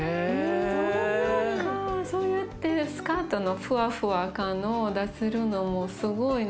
そうやってスカートのフワフワ感を出せるのもすごいな。